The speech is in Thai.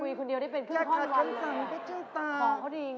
คุยคนเดียวได้เป็นครึ่งคร่อนวันเลย